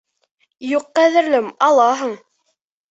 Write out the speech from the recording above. Юҡ, ҡәҙерлем, алаһың.